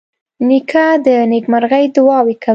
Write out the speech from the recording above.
نیکه د نیکمرغۍ دعاوې کوي.